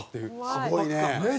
すごいね。